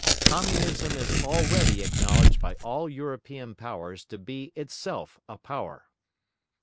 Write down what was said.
Communism is already acknowledged by all European Powers to be itself a Power.